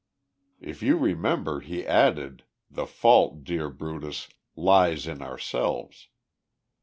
If you remember, he added, 'The fault, dear Brutus, lies in ourselves.'